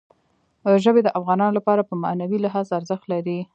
ژبې د افغانانو لپاره په معنوي لحاظ ارزښت لري.